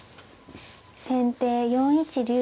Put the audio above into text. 先手４一竜。